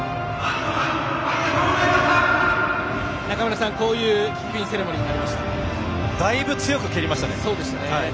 中村さん、こういうキックインセレモニーにだいぶ強く蹴りましたね。